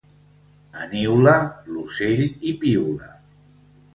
A Niula l'ocell hi piula.